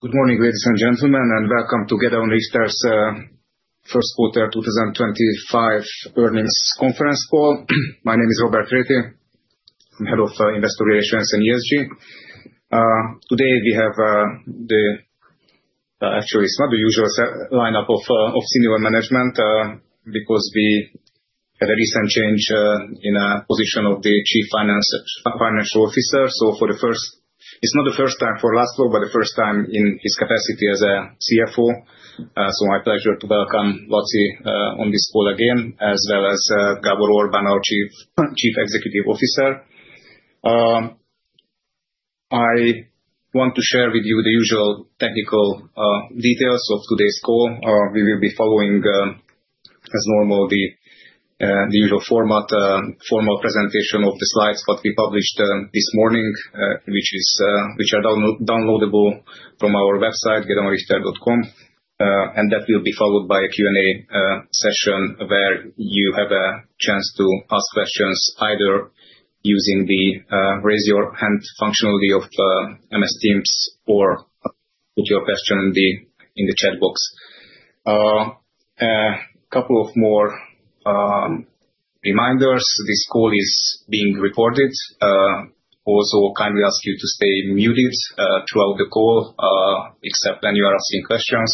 Good morning, ladies and gentlemen, and welcome to Gedeon Richter's first quarter 2025 earnings conference call. My name is Robert Rethy. I'm Head of Investor Relations and ESG. Today we have the—actually, it's not the usual lineup of senior management because we had a recent change in position of the Chief Financial Officer. For the first—it's not the first time for László, but the first time in his capacity as CFO. My pleasure to welcome Lassi on this call again, as well as Gábor Orbán, our Chief Executive Officer. I want to share with you the usual technical details of today's call. We will be following, as normal, the usual format: formal presentation of the slides that we published this morning, which are downloadable from our website, gedeonrichter.com. That will be followed by a Q&A session where you have a chance to ask questions either using the raise-your-hand functionality of MS Teams or put your question in the chat box. A couple of more reminders: this call is being recorded. Also, kindly ask you to stay muted throughout the call, except when you are asking questions.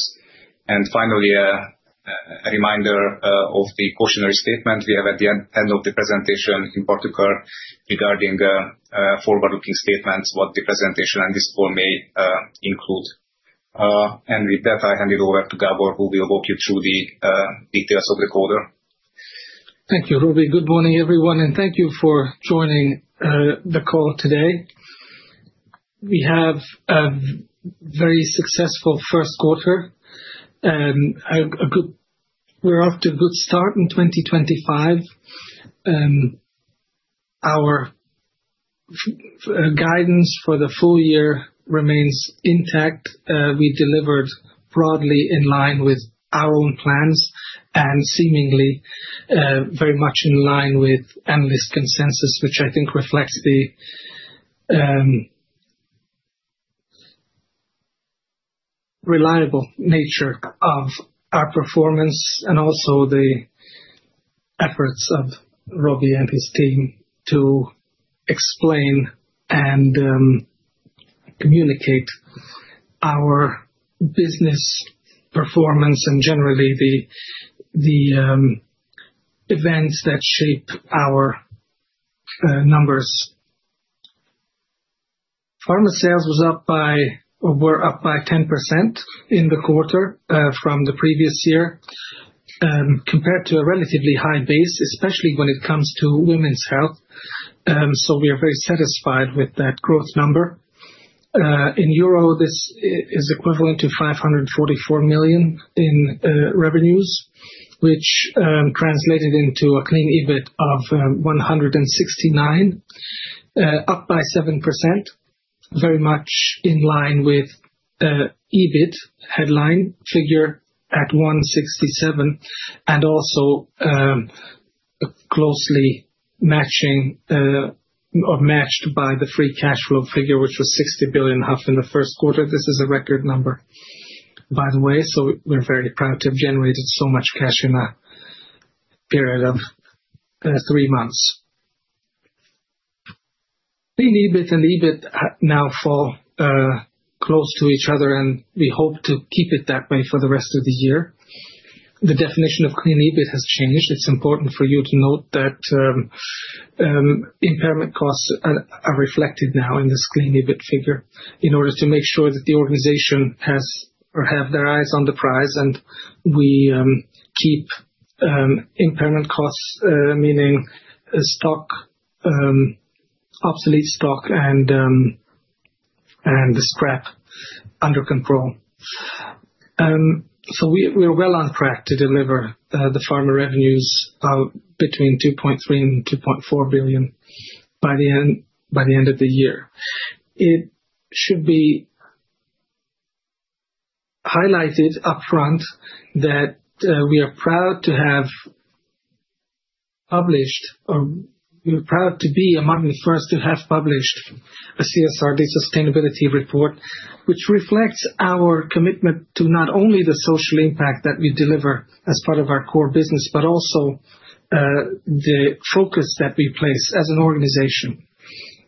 Finally, a reminder of the cautionary statement we have at the end of the presentation, in particular regarding forward-looking statements, what the presentation and this call may include. With that, I hand it over to Gábor, who will walk you through the details of the call. Thank you, Rúben. Good morning, everyone, and thank you for joining the call today. We have a very successful first quarter. We're off to a good start in 2025. Our guidance for the full year remains intact. We delivered broadly in line with our own plans and seemingly very much in line with analyst consensus, which I think reflects the reliable nature of our performance and also the efforts of Rúben and his team to explain and communicate our business performance and generally the events that shape our numbers. Pharma sales were up by 10% in the quarter from the previous year, compared to a relatively high base, especially when it comes to women's health. We are very satisfied with that growth number. In 544 million in revenues, which translated into a clean EBIT of 169 million, up by 7%, very much in line with EBIT headline figure at 167 million, and also closely matched by the free cash flow figure, which was 60.5 billion in the first quarter. This is a record number, by the way, so we're very proud to have generated so much cash in a period of three months. Clean EBIT and EBIT now fall close to each other, and we hope to keep it that way for the rest of the year. The definition of clean EBIT has changed. It's important for you to note that impairment costs are reflected now in this clean EBIT figure in order to make sure that the organization has or have their eyes on the prize, and we keep impairment costs, meaning stock, obsolete stock, and the scrap under control. We are well on track to deliver the pharma revenues between 2.3 billion-2.4 billion by the end of the year. It should be highlighted upfront that we are proud to have published, or we're proud to be among the first to have published a CSRD sustainability report, which reflects our commitment to not only the social impact that we deliver as part of our core business, but also the focus that we place as an organization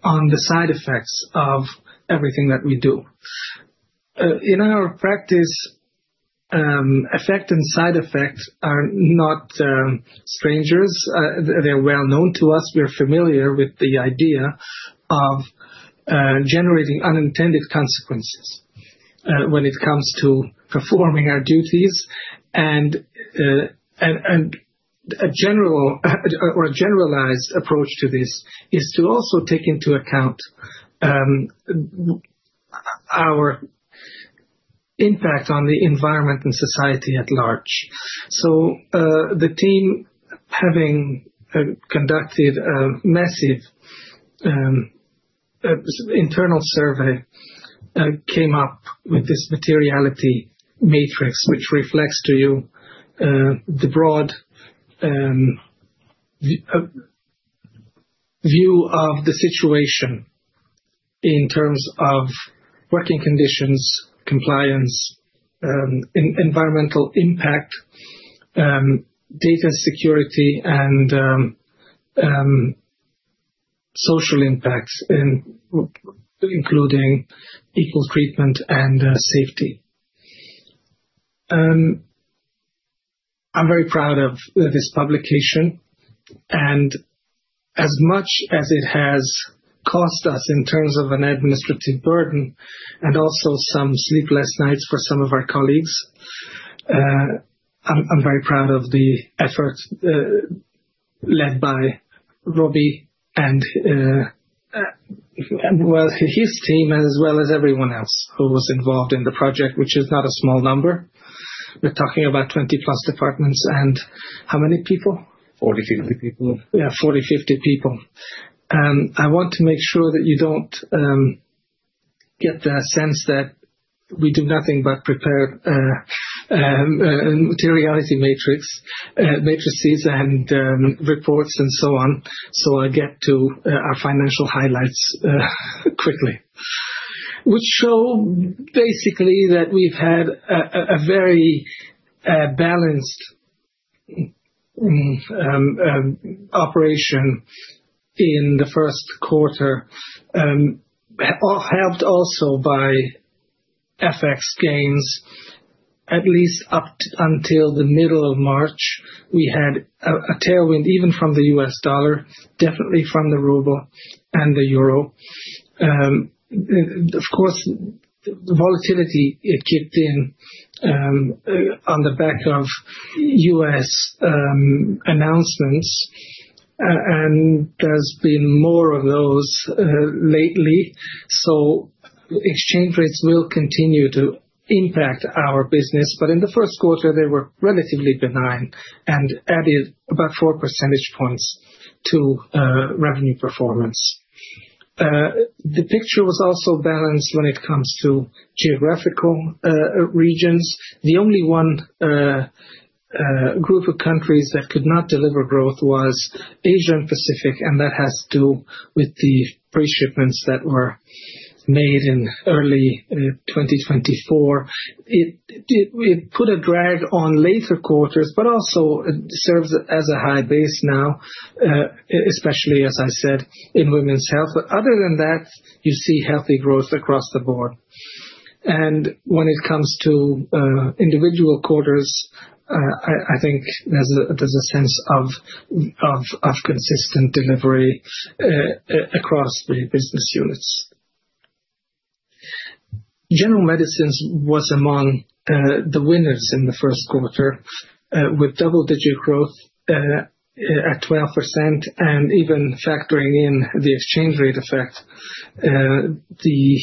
on the side effects of everything that we do. In our practice, effect and side effect are not strangers. They are well known to us. We're familiar with the idea of generating unintended consequences when it comes to performing our duties. A generalized approach to this is to also take into account our impact on the environment and society at large. The team, having conducted a massive internal survey, came up with this materiality matrix, which reflects to you the broad view of the situation in terms of working conditions, compliance, environmental impact, data security, and social impacts, including equal treatment and safety. I'm very proud of this publication, and as much as it has cost us in terms of an administrative burden and also some sleepless nights for some of our colleagues, I'm very proud of the effort led by Robbie and his team, as well as everyone else who was involved in the project, which is not a small number. We're talking about 20+ departments and how many people? 40, 50 people. Yeah, 40-50 people. I want to make sure that you do not get the sense that we do nothing but prepare materiality matrices and reports and so on, so I get to our financial highlights quickly, which show basically that we have had a very balanced operation in the first quarter, helped also by FX gains. At least up until the middle of March, we had a tailwind even from the U.S. dollar, definitely from the ruble and the euro. Of course, the volatility kicked in on the back of U.S. announcements, and there have been more of those lately. Exchange rates will continue to impact our business, but in the first quarter, they were relatively benign and added about 4 percentage points to revenue performance. The picture was also balanced when it comes to geographical regions. The only one group of countries that could not deliver growth was Asia and Pacific, and that has to do with the pre-shipments that were made in early 2024. It put a drag on later quarters, but also serves as a high base now, especially, as I said, in women's health. Other than that, you see healthy growth across the board. When it comes to individual quarters, I think there's a sense of consistent delivery across the business units. General Medicines was among the winners in the first quarter, with double-digit growth at 12%. Even factoring in the exchange rate effect, the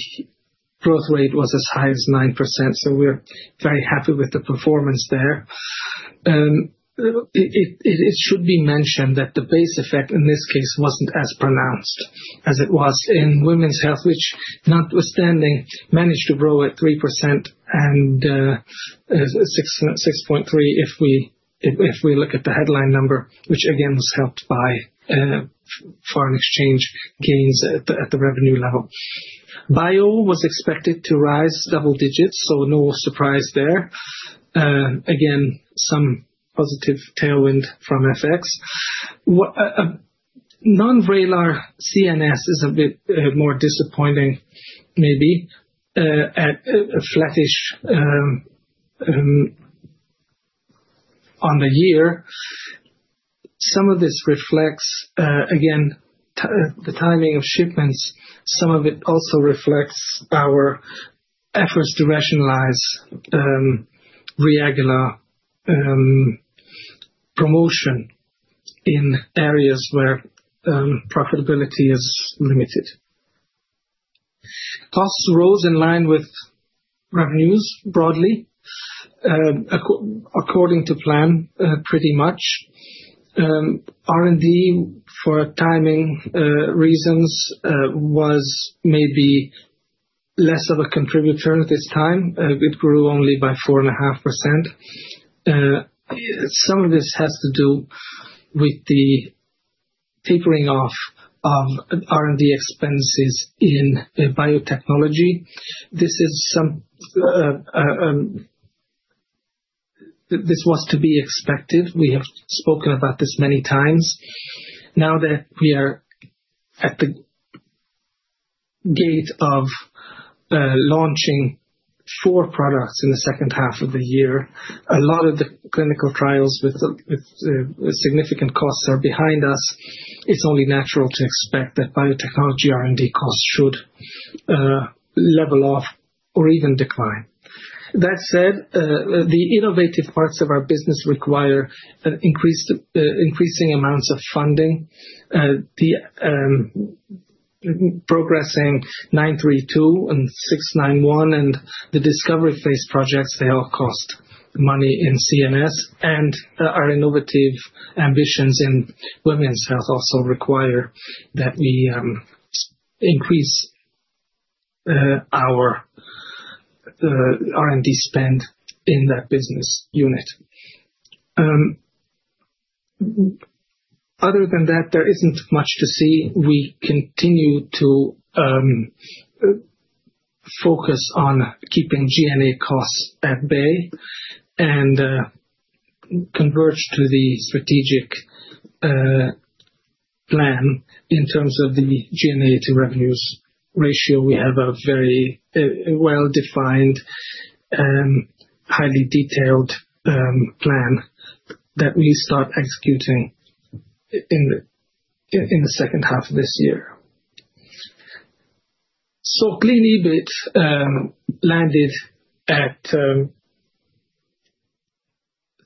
growth rate was as high as 9%. We are very happy with the performance there. It should be mentioned that the base effect in this case wasn't as pronounced as it was in women's health, which, notwithstanding, managed to grow at 3% and 6.3% if we look at the headline number, which again was helped by foreign exchange gains at the revenue level. Bio was expected to rise double digits, so no surprise there. Again, some positive tailwind from FX. Non-radar CNS is a bit more disappointing, maybe, at flattish on the year. Some of this reflects, again, the timing of shipments. Some of it also reflects our efforts to rationalize Reagila promotion in areas where profitability is limited. Costs rose in line with revenues broadly, according to plan, pretty much. R&D, for timing reasons, was maybe less of a contributor at this time. It grew only by 4.5%. Some of this has to do with the tapering off of R&D expenses in biotechnology. This was to be expected. We have spoken about this many times. Now that we are at the gate of launching four products in the second half of the year, a lot of the clinical trials with significant costs are behind us. It's only natural to expect that biotechnology R&D costs should level off or even decline. That said, the innovative parts of our business require increasing amounts of funding. The progressing 932 and 691 and the discovery phase projects, they all cost money in CNS, and our innovative ambitions in women's health also require that we increase our R&D spend in that business unit. Other than that, there isn't much to see. We continue to focus on keeping G&A costs at bay and converge to the strategic plan. In terms of the G&A to revenues ratio, we have a very well-defined, highly detailed plan that we start executing in the second half of this year. So clean EBIT landed at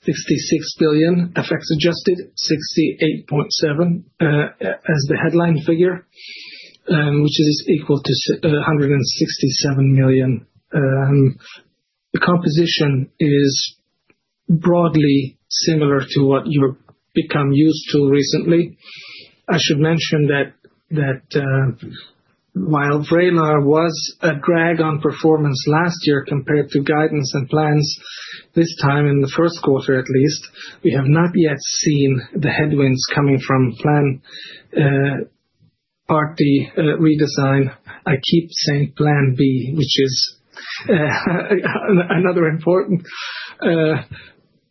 66 billion, FX adjusted 68.7 billion as the headline figure, which is equal to 167 million. The composition is broadly similar to what you've become used to recently. I should mention that while Reagila was a drag on performance last year compared to guidance and plans, this time in the first quarter, at least, we have not yet seen the headwinds coming from plan Part D redesign. I keep saying plan B, which is another important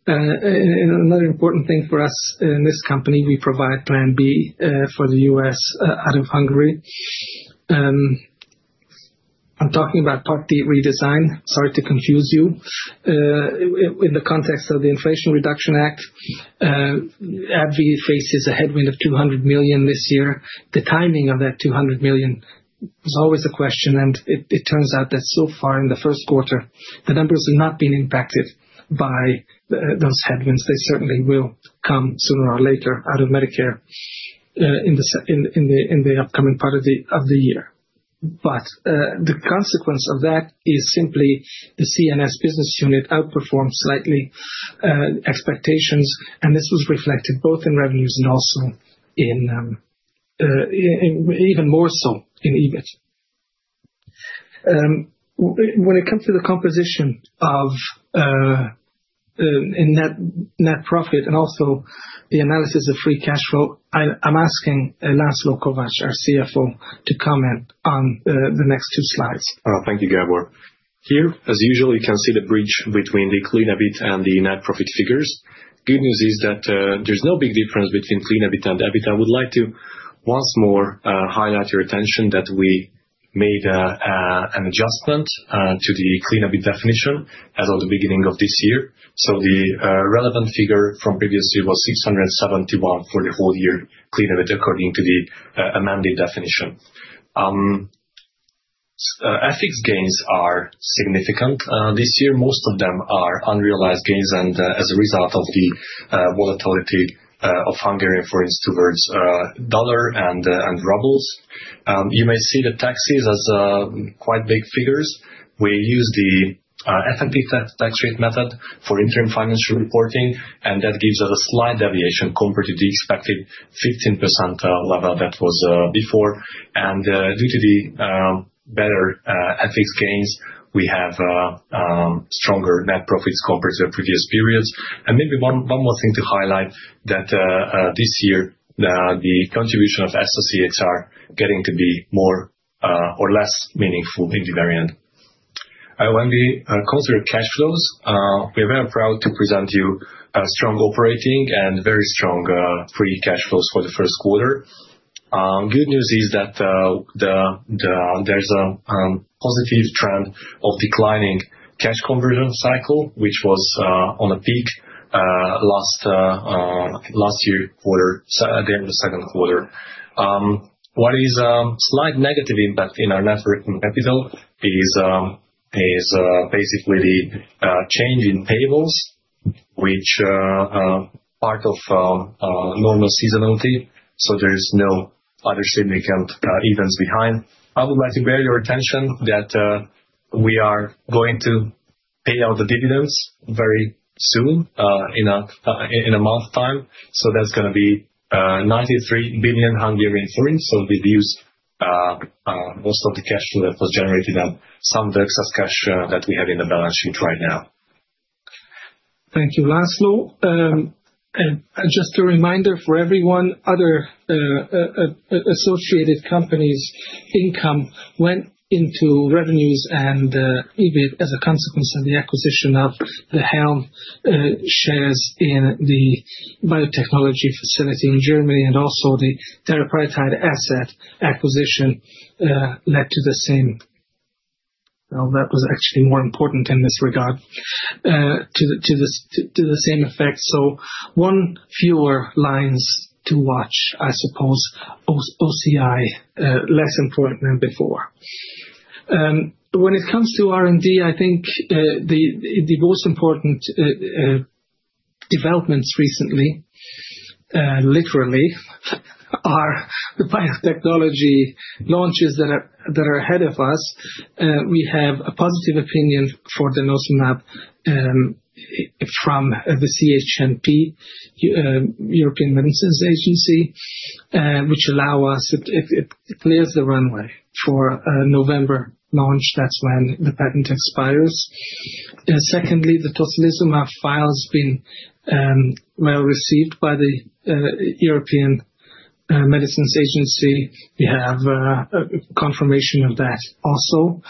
thing for us in this company. We provide Plan B for the U.S. out of Hungary. I'm talking about Part D redesign. Sorry to confuse you. In the context of the Inflation Reduction Act, AbbVie faces a headwind of 200 million this year. The timing of that 200 million was always a question, and it turns out that so far in the first quarter, the numbers have not been impacted by those headwinds. They certainly will come sooner or later out of Medicare in the upcoming part of the year. The consequence of that is simply the CNS business unit outperformed slightly expectations, and this was reflected both in revenues and also even more so in EBIT. When it comes to the composition of net profit and also the analysis of free cash flow, I'm asking László Kovács, our CFO, to comment on the next two slides. Thank you, Gábor. Here, as usual, you can see the bridge between the clean EBIT and the net profit figures. Good news is that there's no big difference between clean EBIT and EBIT. I would like to once more highlight your attention that we made an adjustment to the clean EBIT definition as of the beginning of this year. So the relevant figure from previous year was 671 million for the whole year, clean EBIT, according to the amended definition. FX gains are significant this year. Most of them are unrealized gains and as a result of the volatility of Hungary, for instance, towards dollar and rubles. You may see the taxes as quite big figures. We use the FNP tax rate method for interim financial reporting, and that gives us a slight deviation compared to the expected 15% level that was before. Due to the better FX gains, we have stronger net profits compared to the previous periods. Maybe one more thing to highlight is that this year, the contribution of SOCHs is getting to be more or less meaningful in the very end. When we consider cash flows, we're very proud to present you strong operating and very strong free cash flows for the first quarter. Good news is that there's a positive trend of declining cash conversion cycle, which was on a peak last year's quarter, the second quarter. What is a slight negative impact in our networking capital is basically the change in payables, which is part of normal seasonality. There's no other significant events behind. I would like to bear your attention that we are going to pay out the dividends very soon, in a month's time. That's going to be 93 billion Hungarian forints. We've used most of the cash flow that was generated and some of the excess cash that we have in the balance sheet right now. Thank you, László. Just a reminder for everyone, other associated companies' income went into revenues and EBIT as a consequence of the acquisition of the Helm shares in the biotechnology facility in Germany, and also the therapy asset acquisition led to the same. That was actually more important in this regard, to the same effect. One fewer line to watch, I suppose. OCI, less important than before. When it comes to R&D, I think the most important developments recently, literally, are the biotechnology launches that are ahead of us. We have a positive opinion for the Nosumab from the CHMP, European Medicines Agency, which allows us, it clears the runway for November launch. That is when the patent expires. Secondly, the Tocilizumab file has been well received by the European Medicines Agency. We have confirmation of that also,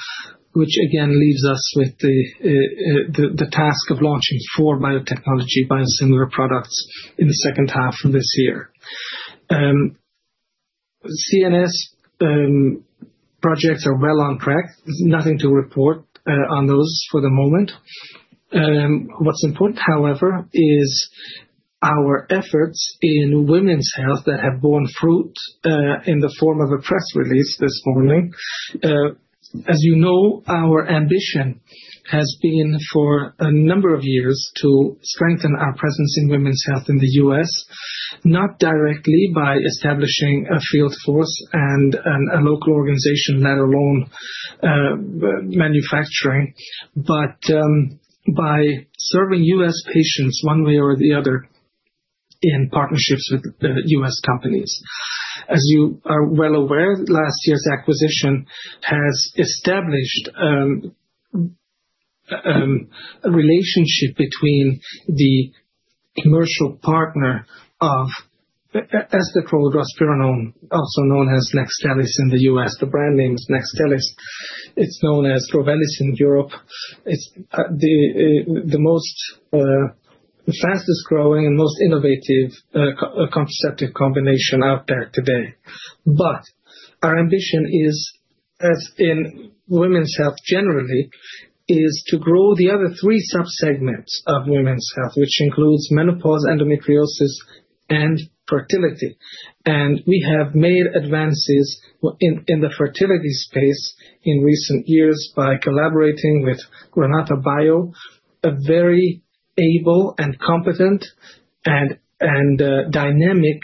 which again leaves us with the task of launching four biotechnology biosimilar products in the second half of this year. CNS projects are well on track. Nothing to report on those for the moment. What's important, however, is our efforts in women's health that have borne fruit in the form of a press release this morning. As you know, our ambition has been for a number of years to strengthen our presence in women's health in the U.S., not directly by establishing a field force and a local organization, let alone manufacturing, but by serving U.S. patients one way or the other in partnerships with U.S. companies. As you are well aware, last year's acquisition has established a relationship between the commercial partner of Estetrol, Drovelis, also known as Nextstellis in the U.S. The brand name is Nextstellis. It's known as Drovelis in Europe. It's the fastest growing and most innovative contraceptive combination out there today. Our ambition, as in women's health generally, is to grow the other three subsegments of women's health, which includes menopause, endometriosis, and fertility. We have made advances in the fertility space in recent years by collaborating with Granata Bio, a very able and competent and dynamic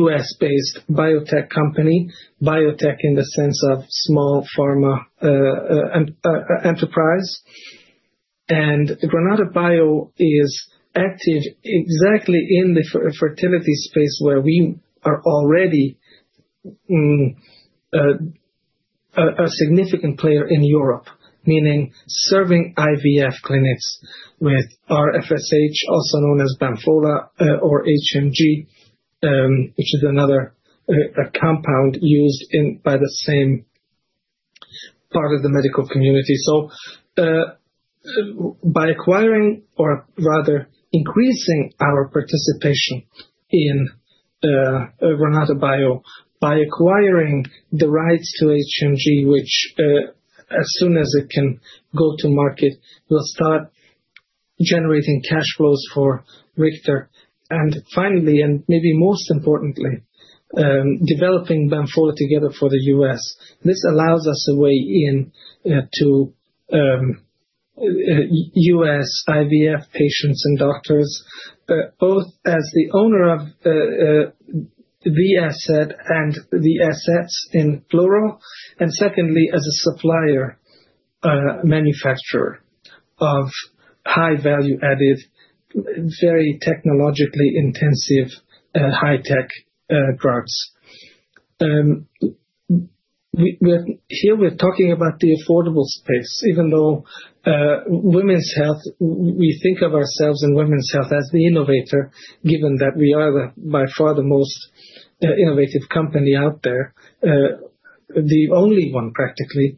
U.S.-based biotech company, biotech in the sense of small pharma enterprise. Granata Bio is active exactly in the fertility space where we are already a significant player in Europe, meaning serving IVF clinics with rFSH, also known as Bamfola or HMG, which is another compound used by the same part of the medical community. By acquiring, or rather increasing our participation in Granata Bio, by acquiring the rights to HMG, which as soon as it can go to market, will start generating cash flows for Richter. Finally, and maybe most importantly, developing Bamfola together for the U.S. This allows us a way into U.S. IVF patients and doctors, both as the owner of the asset and the assets in Floral, and secondly, as a supplier manufacturer of high value-added, very technologically intensive high-tech drugs. Here we are talking about the affordable space, even though women's health, we think of ourselves in women's health as the innovator, given that we are by far the most innovative company out there, the only one practically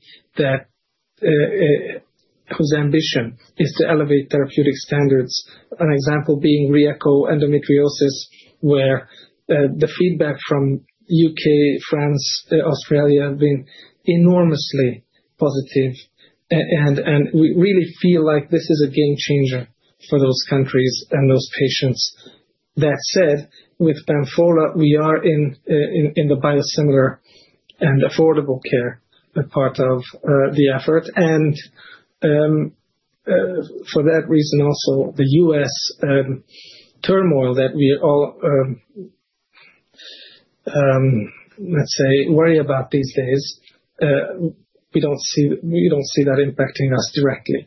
whose ambition is to elevate therapeutic standards, an example being Ryeqo endometriosis, where the feedback from the U.K., France, Australia have been enormously positive. We really feel like this is a game changer for those countries and those patients. That said, with Bamfola, we are in the biosimilar and affordable care part of the effort. For that reason, also the U.S. turmoil that we all, let's say, worry about these days, we do not see that impacting us directly.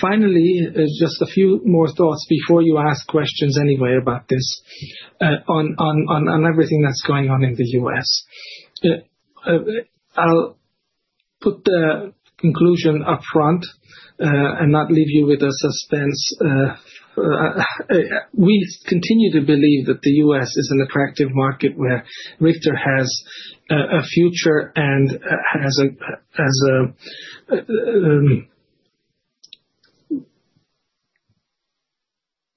Finally, just a few more thoughts before you ask questions anyway about this on everything that is going on in the U.S. I will put the conclusion upfront and not leave you with suspense. We continue to believe that the U.S. is an attractive market where Richter has a future and has a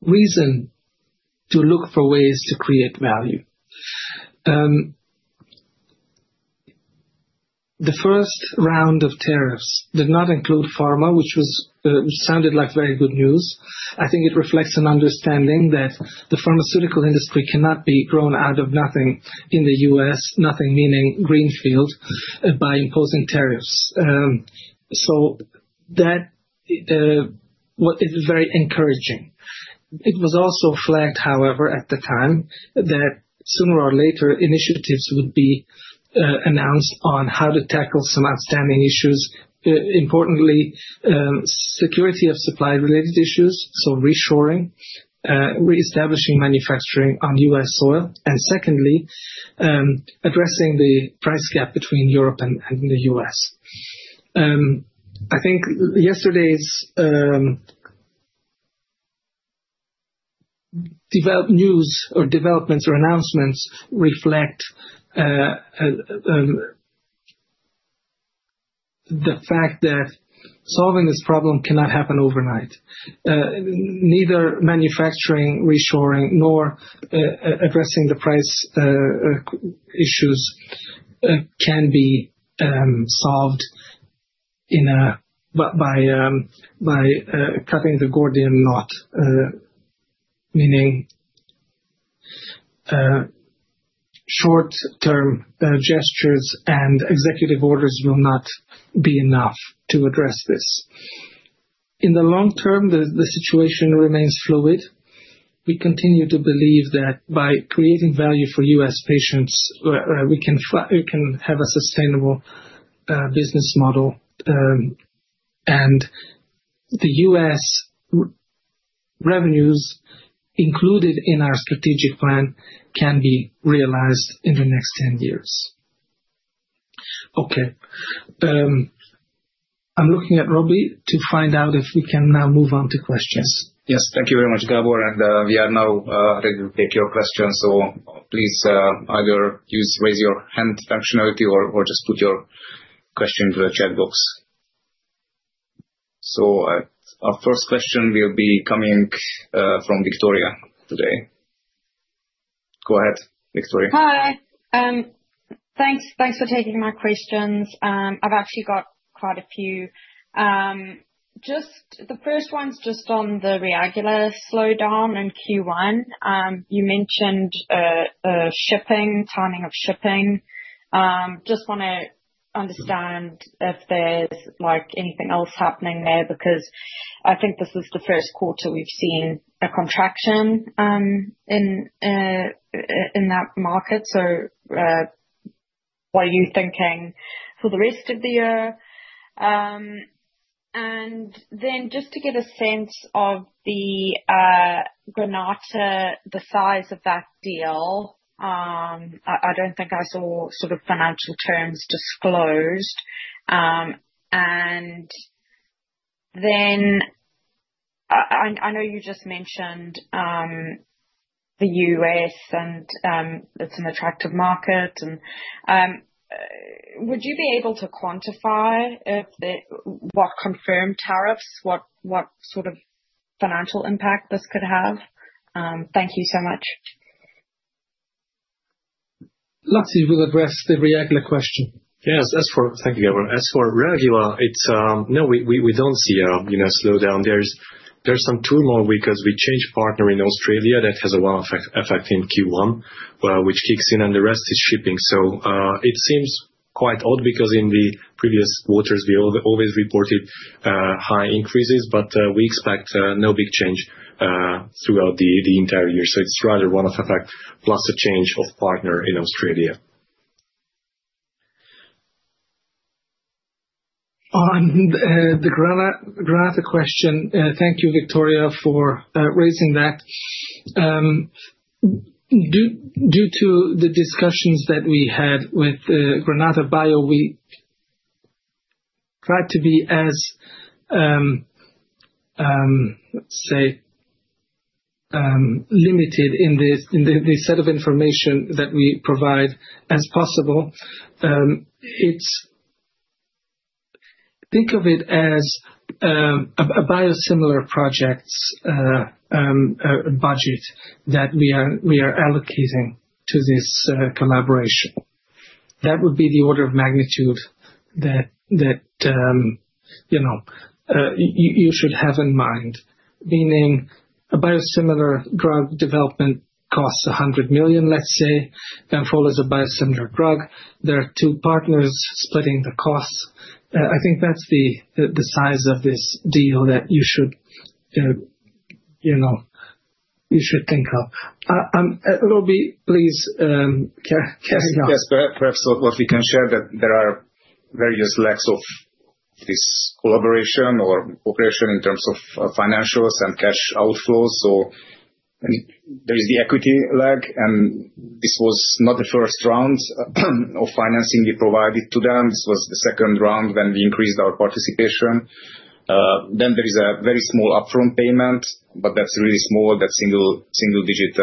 reason to look for ways to create value. The first round of tariffs did not include pharma, which sounded like very good news. I think it reflects an understanding that the pharmaceutical industry cannot be grown out of nothing in the U.S., nothing meaning greenfield, by imposing tariffs. That is very encouraging. It was also flagged, however, at the time that sooner or later initiatives would be announced on how to tackle some outstanding issues. Importantly, security of supply-related issues, so reshoring, reestablishing manufacturing on U.S. soil, and secondly, addressing the price gap between Europe and the U.S. I think yesterday's news or developments or announcements reflect the fact that solving this problem cannot happen overnight. Neither manufacturing, reshoring, nor addressing the price issues can be solved by cutting the Gordian Knot, meaning short-term gestures and executive orders will not be enough to address this. In the long term, the situation remains fluid. We continue to believe that by creating value for U.S. patients, we can have a sustainable business model, and the U.S. revenues included in our strategic plan can be realized in the next 10 years. Okay. I'm looking at Robbie to find out if we can now move on to questions. Yes, thank you very much, Gábor, and we are now ready to take your questions. Please either use the raise your hand functionality or just put your question into the chat box. Our first question will be coming from Victoria today. Go ahead, Victoria. Hi. Thanks for taking my questions. I've actually got quite a few. The first one's just on the Reagila slowdown in Q1. You mentioned timing of shipping. Just want to understand if there's anything else happening there because I think this is the first quarter we've seen a contraction in that market. What are you thinking for the rest of the year? Just to get a sense of the Granata, the size of that deal, I don't think I saw sort of financial terms disclosed. I know you just mentioned the U.S. and it's an attractive market. Would you be able to quantify what confirmed tariffs, what sort of financial impact this could have? Thank you so much. László will address the Reagila question. Yes, thank you, Gábor. As for Reagila, no, we do not see a slowdown. There is some turmoil because we changed partner in Australia that has a wow effect in Q1, which kicks in, and the rest is shipping. It seems quite odd because in the previous quarters, we always reported high increases, but we expect no big change throughout the entire year. It is rather a one-off effect plus a change of partner in Australia. On the Granata question, thank you, Victoria, for raising that. Due to the discussions that we had with Granata Bio, we tried to be as, let's say, limited in the set of information that we provide as possible. Think of it as a biosimilar project budget that we are allocating to this collaboration. That would be the order of magnitude that you should have in mind, meaning a biosimilar drug development costs 100 million, let's say, Bamfola is a biosimilar drug. There are two partners splitting the costs. I think that's the size of this deal that you should think of. Robbie, please carry on. Yes, perhaps what we can share is that there are various lags of this collaboration or cooperation in terms of financials and cash outflows. There is the equity lag, and this was not the first round of financing we provided to them. This was the second round when we increased our participation. There is a very small upfront payment, but that's really small, that single-digit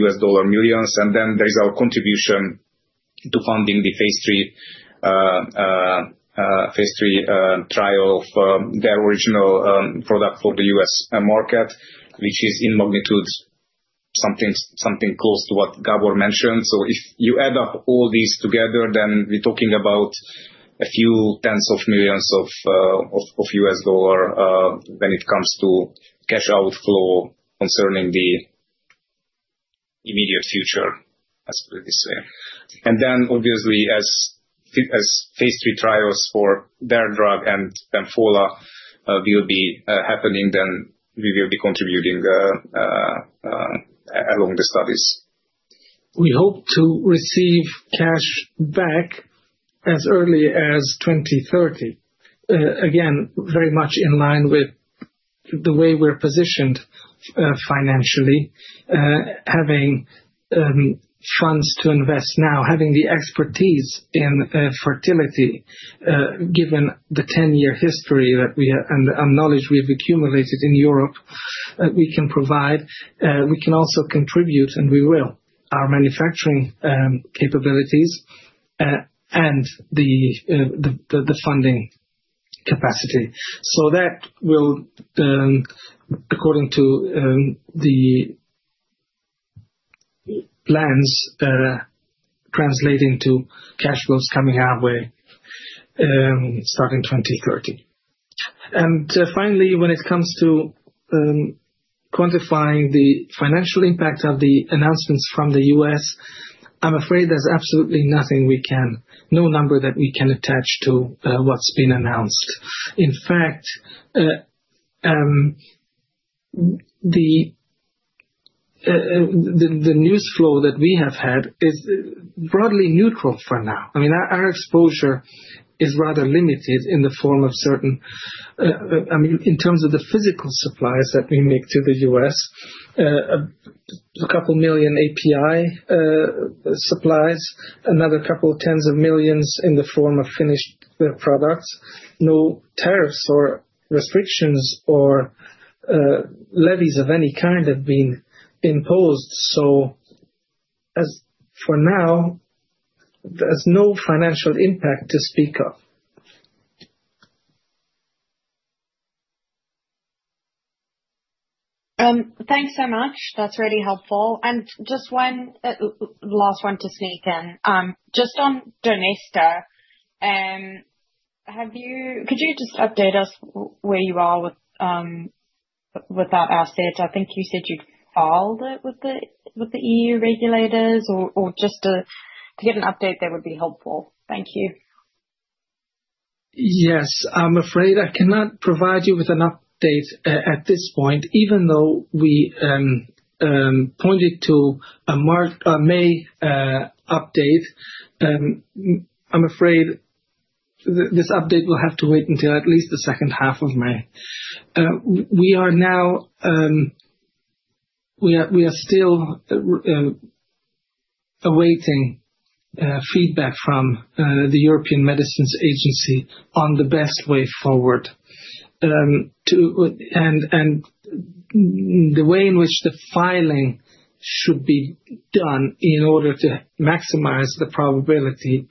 U.S. dollar millions. There is our contribution to funding the phase three trial of their original product for the U.S. market, which is in magnitude something close to what Gábor mentioned. If you add up all these together, then we're talking about a few tens of millions of U.S. dollar when it comes to cash outflow concerning the immediate future, let's put it this way. Obviously, as phase three trials for their drug and Bamfola will be happening, then we will be contributing along the studies. We hope to receive cash back as early as 2030. Again, very much in line with the way we're positioned financially, having funds to invest now, having the expertise in fertility, given the 10-year history and knowledge we've accumulated in Europe, we can provide. We can also contribute, and we will, our manufacturing capabilities and the funding capacity. That will, according to the plans, translate into cash flows coming our way starting 2030. Finally, when it comes to quantifying the financial impact of the announcements from the U.S., I'm afraid there's absolutely nothing we can, no number that we can attach to what's been announced. In fact, the news flow that we have had is broadly neutral for now. I mean, our exposure is rather limited in the form of certain, I mean, in terms of the physical supplies that we make to the U.S., a couple million API supplies, another couple of tens of millions in the form of finished products. No tariffs or restrictions or levies of any kind have been imposed. For now, there is no financial impact to speak of. Thanks so much. That's really helpful. Just one last one to sneak in. Just on Donesta, could you just update us where you are with that asset? I think you said you'd filed it with the E.U. regulators or just to get an update there would be helpful. Thank you. Yes, I'm afraid I cannot provide you with an update at this point, even though we pointed to a May update. I'm afraid this update will have to wait until at least the second half of May. We are still awaiting feedback from the European Medicines Agency on the best way forward and the way in which the filing should be done in order to maximize the probability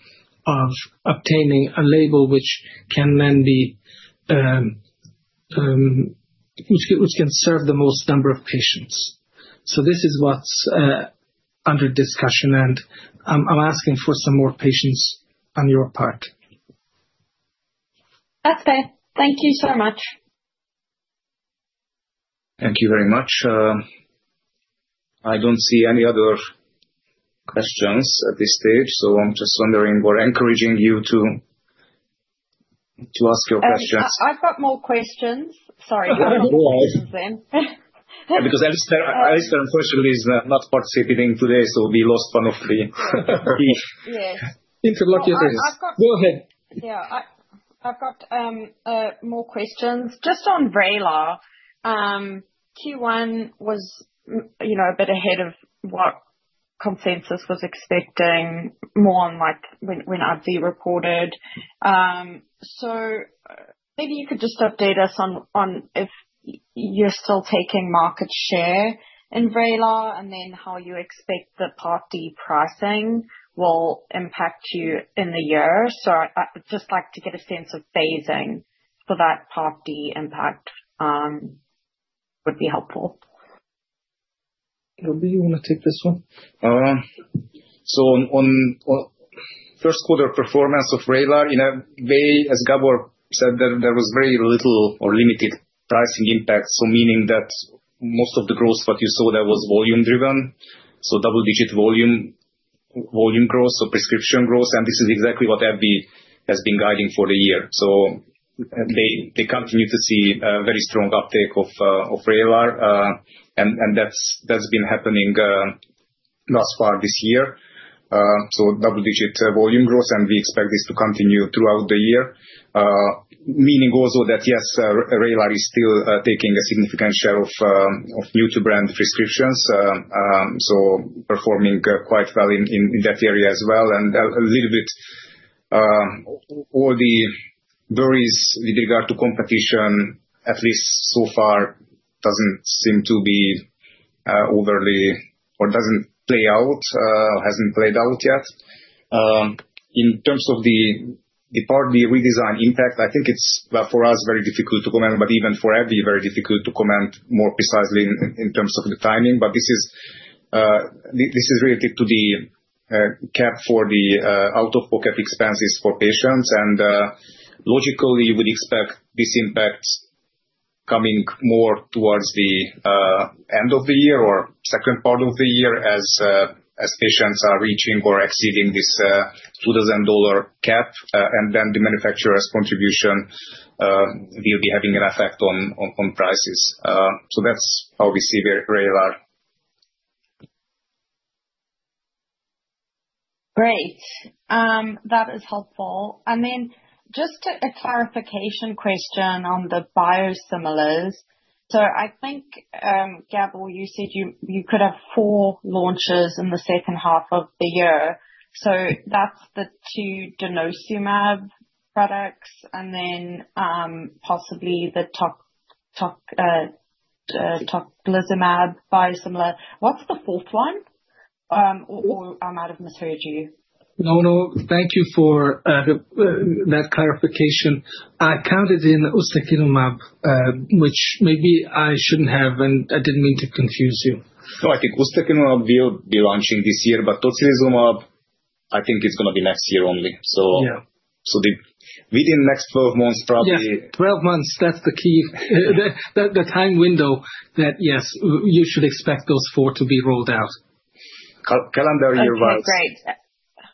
of obtaining a label which can then be, which can serve the most number of patients. This is what's under discussion, and I'm asking for some more patience on your part. That's fair. Thank you so much. Thank you very much. I do not see any other questions at this stage. I am just wondering or encouraging you to ask your questions. I've got more questions. Sorry. Because Alistair, unfortunately, is not participating today, so we lost one of the key interlocutors. Go ahead. Yeah, I've got more questions. Just on RALA, Q1 was a bit ahead of what consensus was expecting, more on when RB reported. Maybe you could just update us on if you're still taking market share in RALA and then how you expect the Part D pricing will impact you in the year. I'd just like to get a sense of phasing for that Part D impact would be helpful. Robbie, you want to take this one? On first quarter performance of RALA, as Gábor said, there was very little or limited pricing impact, meaning that most of the growth, what you saw, that was volume-driven, so double-digit volume growth, so prescription growth. This is exactly what RB has been guiding for the year. They continue to see a very strong uptake of RALA, and that's been happening thus far this year. Double-digit volume growth, and we expect this to continue throughout the year, meaning also that, yes, RALA is still taking a significant share of new-to-brand prescriptions, so performing quite well in that area as well. A little bit all the worries with regard to competition, at least so far, does not seem to be overly or does not play out, has not played out yet. In terms of the Part D redesign impact, I think it's, for us, very difficult to comment, but even for RB, very difficult to comment more precisely in terms of the timing. This is related to the cap for the out-of-pocket expenses for patients. Logically, you would expect this impact coming more towards the end of the year or second part of the year as patients are reaching or exceeding this 2,000 cap, and then the manufacturer's contribution will be having an effect on prices. That's how we see RALA. Great. That is helpful. I mean, just a clarification question on the biosimilars. I think, Gábor, you said you could have four launches in the second half of the year. That is the two Denosumab products and then possibly the Tocilizumab biosimilar. What is the fourth one? Or I might have misheard you. No, no. Thank you for that clarification. I counted in Ustekinumab, which maybe I should not have, and I did not mean to confuse you. I think Ustekinumab will be launching this year, but Tocilizumab, I think it's going to be next year only. Within the next 12 months, probably. Yes, 12 months, that's the key. The time window that, yes, you should expect those four to be rolled out. Calendar year-wise. Okay, great.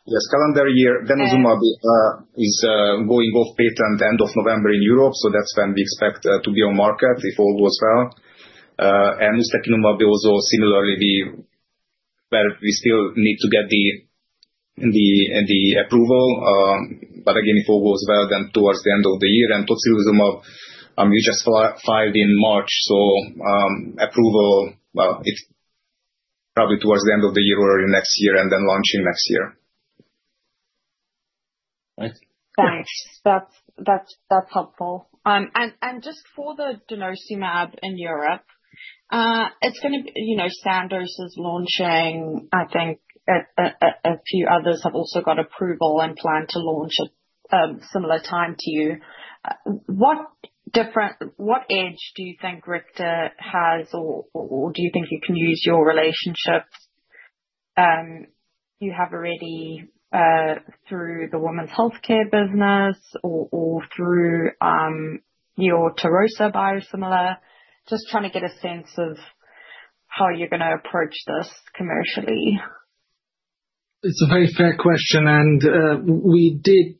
Yes, calendar year. Denosumab is going off-patent end of November in Europe, so that's when we expect to be on market if all goes well. Ustekinumab, also similarly, we still need to get the approval. If all goes well, then towards the end of the year. Tocilizumab, we just filed in March, so approval, it's probably towards the end of the year or next year and then launching next year. Thanks. That's helpful. Just for the Denosumab in Europe, it's going to be Sandoz is launching. I think a few others have also got approval and plan to launch at similar time to you. What edge do you think Richter has, or do you think you can use your relationships you have already through the women's healthcare business or through your Tirosa biosimilar? Just trying to get a sense of how you're going to approach this commercially. It's a very fair question, and we did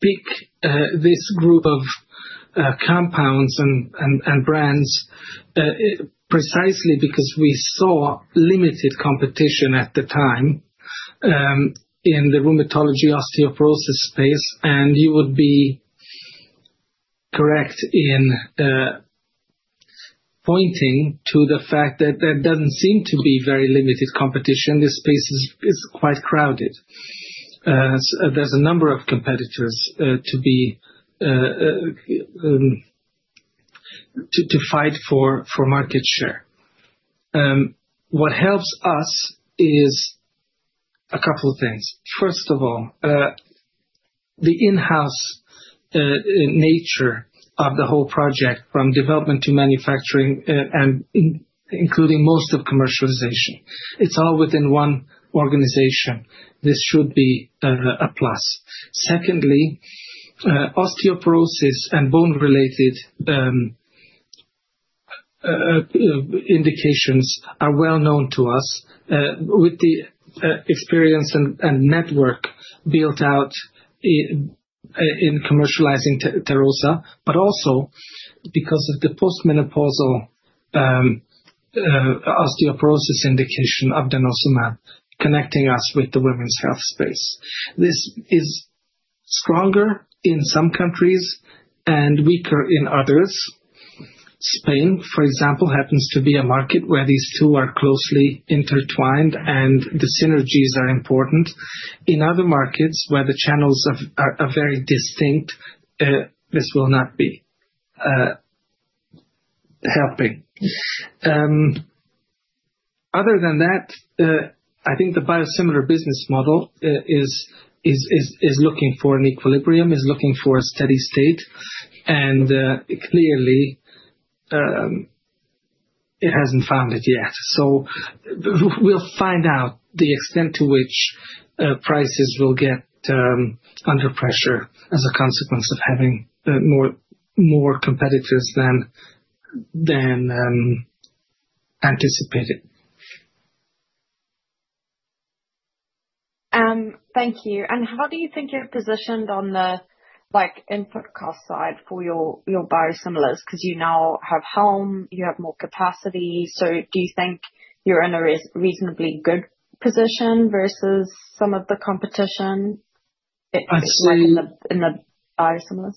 pick this group of compounds and brands precisely because we saw limited competition at the time in the rheumatology osteoporosis space. You would be correct in pointing to the fact that there does not seem to be very limited competition. This space is quite crowded. There are a number of competitors to fight for market share. What helps us is a couple of things. First of all, the in-house nature of the whole project, from development to manufacturing, including most of commercialization, it's all within one organization. This should be a plus. Secondly, osteoporosis and bone-related indications are well known to us with the experience and network built out in commercializing Tirosa, but also because of the post-menopausal osteoporosis indication of Denosumab connecting us with the women's health space. This is stronger in some countries and weaker in others. Spain, for example, happens to be a market where these two are closely intertwined and the synergies are important. In other markets where the channels are very distinct, this will not be helping. Other than that, I think the biosimilar business model is looking for an Equilibrium, is looking for a steady state, and clearly, it has not found it yet. We will find out the extent to which prices will get under pressure as a consequence of having more competitors than anticipated. Thank you. How do you think you're positioned on the input cost side for your biosimilars? Because you now have Helm, you have more capacity. Do you think you're in a reasonably good position versus some of the competition in the biosimilars?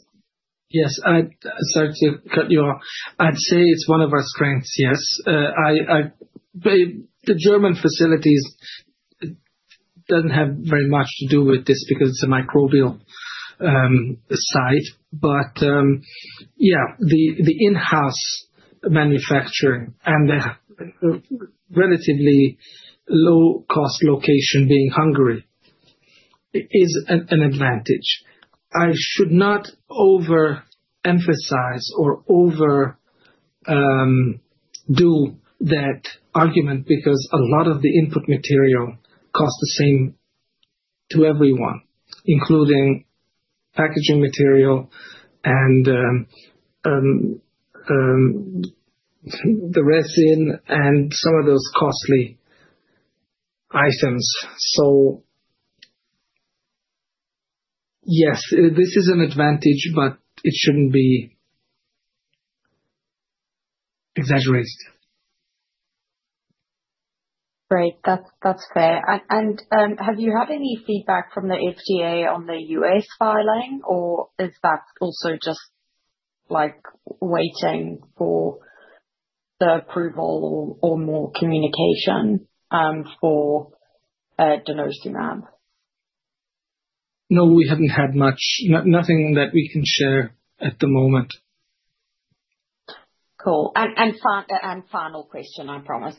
Yes. Sorry to cut you off. I'd say it's one of our strengths, yes. The German facilities do not have very much to do with this because it's a microbial site. Yeah, the in-house manufacturing and the relatively low-cost location being Hungary is an advantage. I should not overemphasize or overdo that argument because a lot of the input material costs the same to everyone, including packaging material and the resin and some of those costly items. Yes, this is an advantage, but it should not be exaggerated. Great. That's fair. Have you had any feedback from the FDA on the U.S. filing, or is that also just waiting for the approval or more communication for Denosumab? No, we haven't had much. Nothing that we can share at the moment. Cool. Final question, I promise.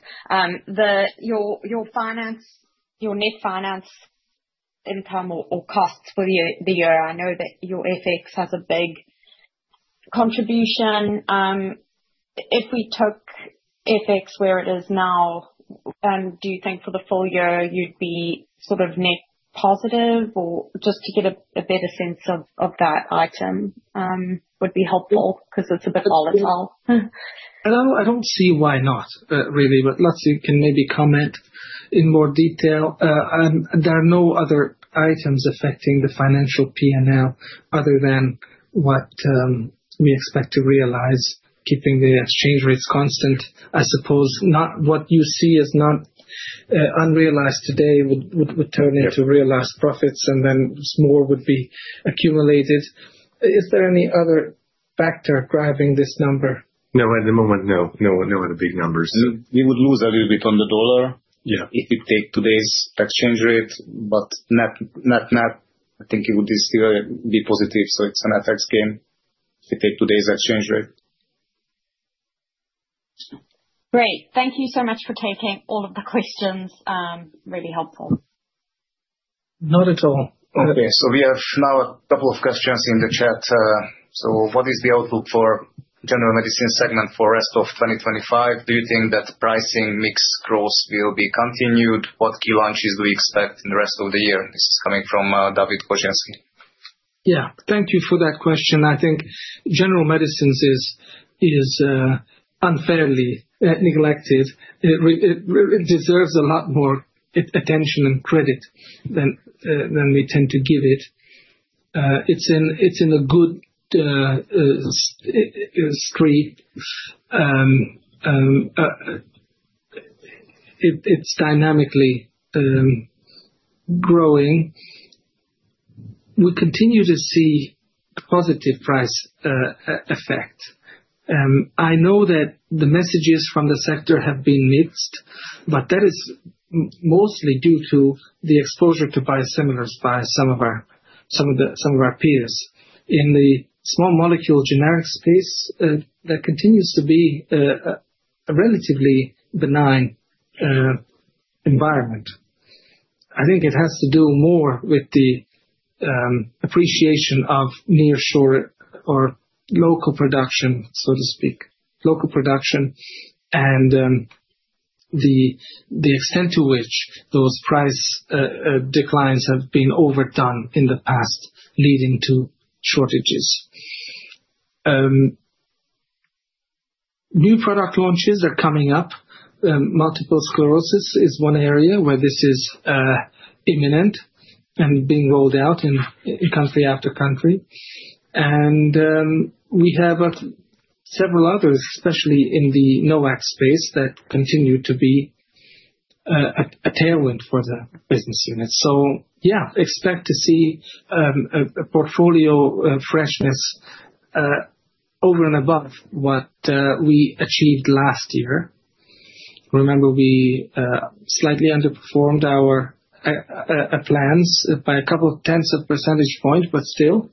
Your net finance income or costs for the year? I know that your FX has a big contribution. If we took FX where it is now, do you think for the full year you'd be sort of net positive? Just to get a better sense of that item would be helpful because it's a bit volatile. I do not see why not, really, but László can maybe comment in more detail. There are no other items affecting the financial P&L other than what we expect to realize, keeping the exchange rates constant. I suppose what you see as not unrealized today would turn into realized profits, and then more would be accumulated. Is there any other factor driving this number? No, at the moment, no. No other big numbers. We would lose a little bit on the dollar if we take today's exchange rate, but net-net, I think it would still be positive. It is an FX game if we take today's exchange rate. Great. Thank you so much for taking all of the questions. Really helpful. Not at all. Okay. We have now a couple of questions in the chat. What is the outlook for the general medicine segment for the rest of 2025? Do you think that pricing mix growth will be continued? What key launches do we expect in the rest of the year? This is coming from David Korzynski. Yeah. Thank you for that question. I think general medicines is unfairly neglected. It deserves a lot more attention and credit than we tend to give it. It's in a good street. It's dynamically growing. We continue to see positive price effects. I know that the messages from the sector have been mixed, but that is mostly due to the exposure to biosimilars by some of our peers. In the small molecule generic space, that continues to be a relatively benign environment. I think it has to do more with the appreciation of near-shore or local production, so to speak, local production, and the extent to which those price declines have been overdone in the past, leading to shortages. New product launches are coming up. Multiple sclerosis is one area where this is imminent and being rolled out in country after country. We have several others, especially in the NOAC space, that continue to be a tailwind for the business unit. Yeah, expect to see a portfolio freshness over and above what we achieved last year. Remember, we slightly underperformed our plans by a couple of tenths of a percentage point, but still,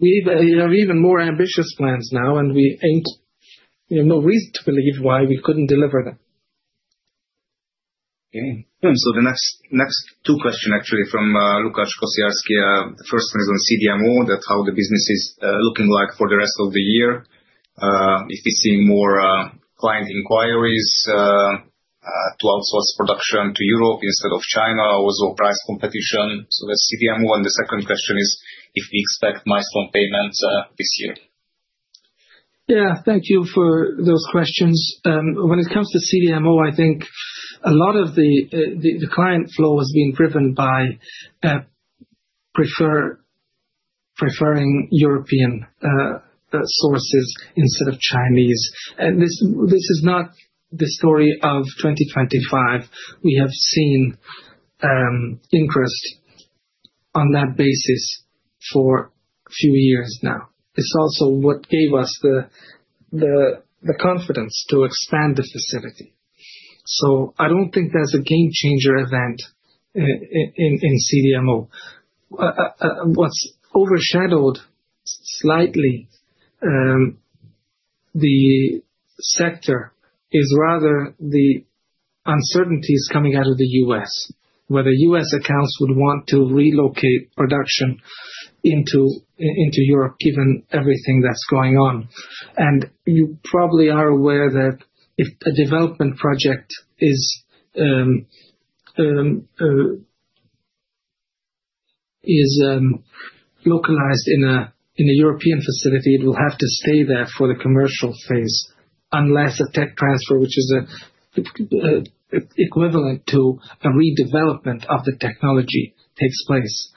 we have even more ambitious plans now, and we aim to—we have no reason to believe why we couldn't deliver them. Okay. The next two questions, actually, from Lukasz Korzynski. The first one is on CDMO, that's how the business is looking like for the rest of the year. If we're seeing more client inquiries to outsource production to Europe instead of China or price competition. That's CDMO. The second question is if we expect milestone payments this year. Yeah. Thank you for those questions. When it comes to CDMO, I think a lot of the client flow has been driven by preferring European sources instead of Chinese. This is not the story of 2025. We have seen interest on that basis for a few years now. It is also what gave us the confidence to expand the facility. I do not think there is a game-changer event in CDMO. What has overshadowed slightly the sector is rather the uncertainties coming out of the U.S., where the U.S. accounts would want to relocate production into Europe, given everything that is going on. You probably are aware that if a development project is localized in a European facility, it will have to stay there for the commercial phase unless a tech transfer, which is equivalent to a redevelopment of the technology, takes place.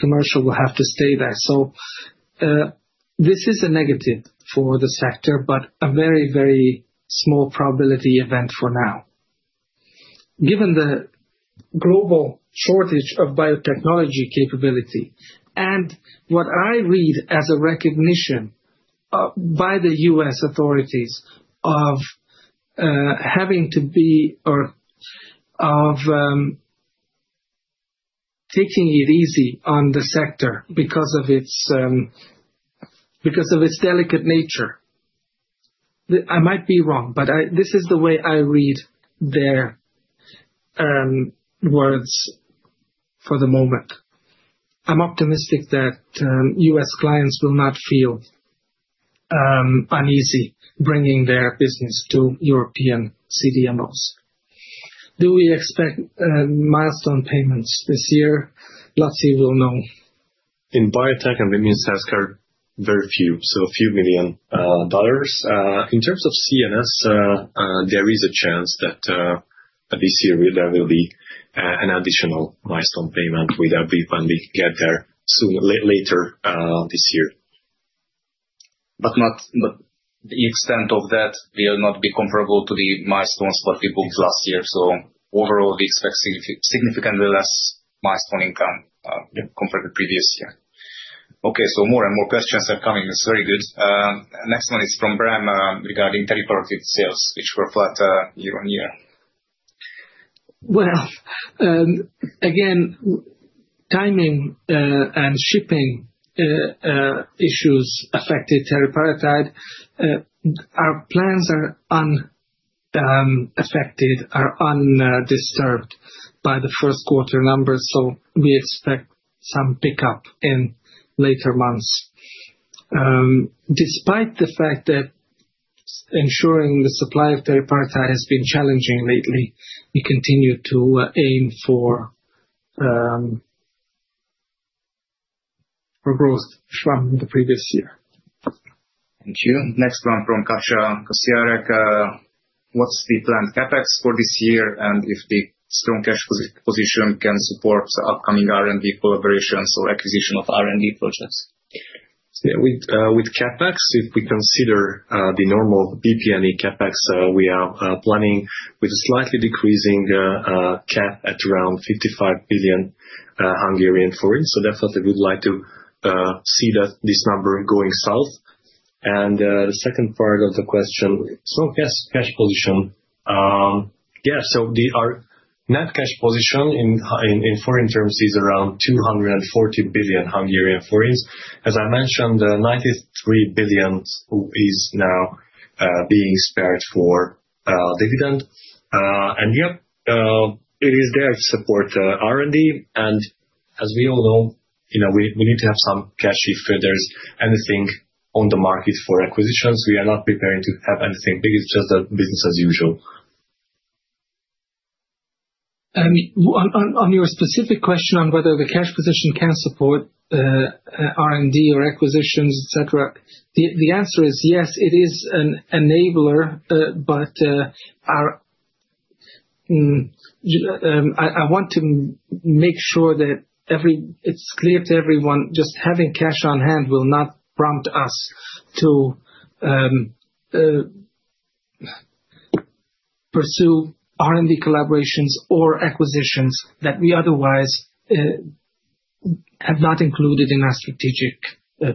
Commercial will have to stay there. This is a negative for the sector, but a very, very small probability event for now, given the global shortage of biotechnology capability. What I read as a recognition by the U.S. authorities of having to be or of taking it easy on the sector because of its delicate nature. I might be wrong, but this is the way I read their words for the moment. I'm optimistic that U.S. clients will not feel uneasy bringing their business to European CDMOs. Do we expect milestone payments this year? László will know. In biotech and immune healthcare, very few. So a few million dollars. In terms of CNS, there is a chance that this year there will be an additional milestone payment. We'll have a brief when we get there later this year. The extent of that will not be comparable to the milestones what we booked last year. Overall, we expect significantly less milestone income compared to the previous year. Okay. More and more questions are coming. It's very good. Next one is from Bram regarding teleporative sales, which were flat year on year. Timing and shipping issues affected teriparatide. Our plans are unaffected, are undisturbed by the first quarter numbers. We expect some pickup in later months. Despite the fact that ensuring the supply of teriparatide has been challenging lately, we continue to aim for growth from the previous year. Thank you. Next one from Kasia Reck. What's the planned CapEx for this year and if the strong cash position can support the upcoming R&D collaborations or acquisition of R&D projects? Yeah. With CapEx, if we consider the normal BPME CapEx, we are planning with a slightly decreasing cap at around 55 billion. Definitely, we'd like to see this number going south. The second part of the question, strong cash position. Yeah. Our net cash position in forint terms is around 240 billion. As I mentioned, 93 billion is now being spared for dividend. Yeah, it is there to support R&D. As we all know, we need to have some cash if there's anything on the market for acquisitions. We are not preparing to have anything big. It's just business as usual. On your specific question on whether the cash position can support R&D or acquisitions, etc., the answer is yes, it is an enabler. I want to make sure that it is clear to everyone, just having cash on hand will not prompt us to pursue R&D collaborations or acquisitions that we otherwise have not included in our strategic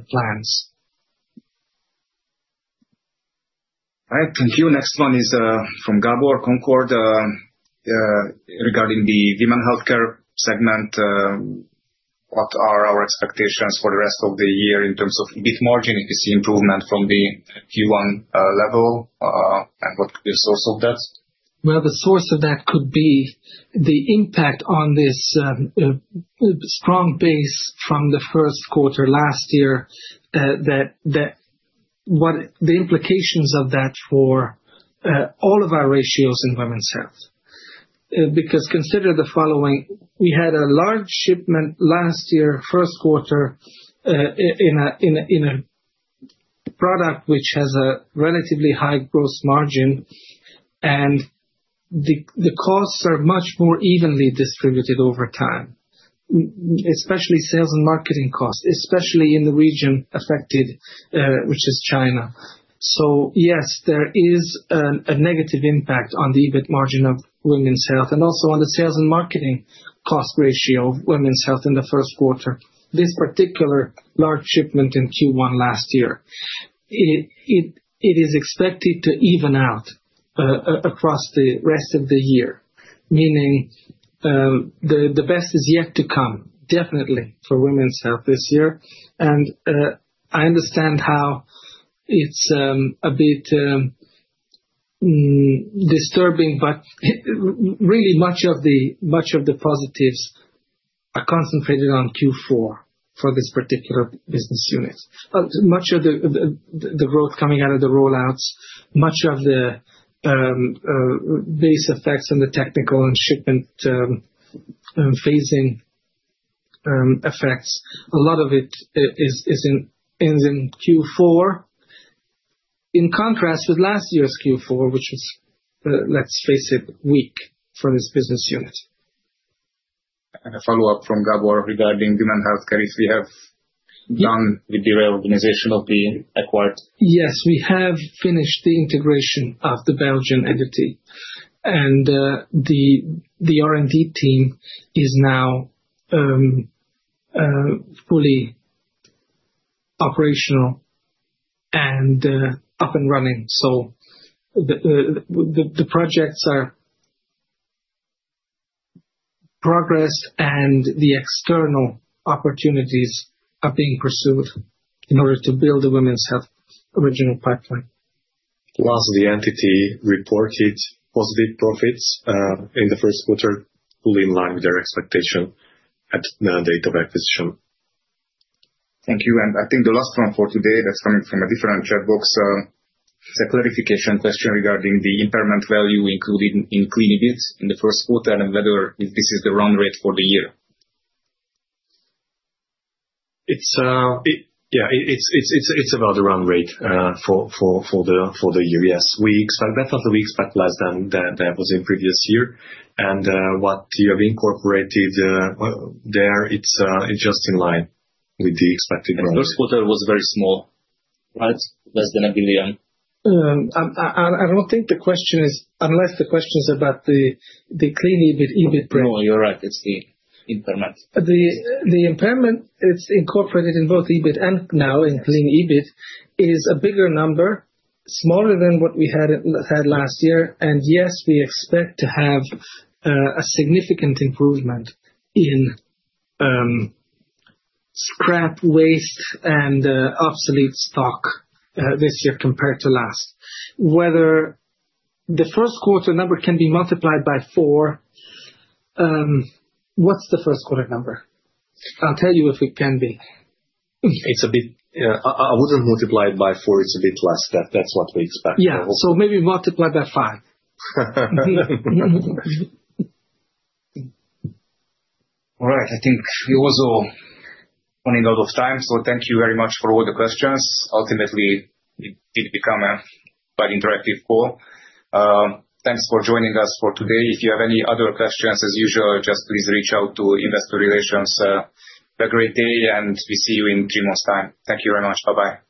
plans. All right. Thank you. Next one is from Gábor Concord regarding the human healthcare segment. What are our expectations for the rest of the year in terms of EBIT margin if you see improvement from the Q1 level and what could be a source of that? The source of that could be the impact on this strong base from the first quarter last year, the implications of that for all of our ratios in women's health. Because consider the following. We had a large shipment last year, first quarter, in a product which has a relatively high gross margin, and the costs are much more evenly distributed over time, especially sales and marketing costs, especially in the region affected, which is China. Yes, there is a negative impact on the EBIT margin of women's health and also on the sales and marketing cost ratio of women's health in the first quarter. This particular large shipment in Q1 last year, it is expected to even out across the rest of the year, meaning the best is yet to come, definitely, for women's health this year. I understand how it's a bit disturbing, but really much of the positives are concentrated on Q4 for this particular business unit. Much of the growth coming out of the rollouts, much of the base effects and the technical and shipment phasing effects, a lot of it ends in Q4, in contrast with last year's Q4, which was, let's face it, weak for this business unit. A follow-up from Gábor regarding human healthcare. If we have done the deal organization of the acquired. Yes, we have finished the integration of the Belgian entity. The R&D team is now fully operational and up and running. The projects are progressed, and the external opportunities are being pursued in order to build the women's health original pipeline. Plus, the entity reported positive profits in the first quarter, fully in line with their expectation at the date of acquisition. Thank you. I think the last one for today that's coming from a different chat box, it's a clarification question regarding the impairment value included in Clean EBIT in the first quarter and whether this is the run rate for the year. Yeah, it's about the run rate for the year. Yes. We expect definitely we expect less than that was in previous year. What you have incorporated there, it's just in line with the expected run rate. The first quarter was very small, right? Less than 1 billion. I don't think the question is unless the question is about the Clean EBIT rate. No, you're right. It's the impairment. The impairment, it's incorporated in both EBIT and now in Clean EBIT, is a bigger number, smaller than what we had last year. Yes, we expect to have a significant improvement in scrap waste and obsolete stock this year compared to last. Whether the first quarter number can be multiplied by four, what's the first quarter number? I'll tell you if it can be. It's a bit, I wouldn't multiply it by four. It's a bit less. That's what we expect. Yeah. Maybe multiply by five. All right. I think we are also running out of time. So thank you very much for all the questions. Ultimately, it did become a quite interactive call. Thanks for joining us for today. If you have any other questions, as usual, just please reach out to investor relations. Have a great day, and we see you in three months' time. Thank you very much. Bye-bye.